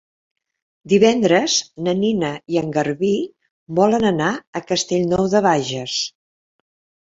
Divendres na Nina i en Garbí volen anar a Castellnou de Bages.